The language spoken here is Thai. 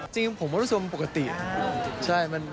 จริงผมก็รู้สึกว่ามันปกติ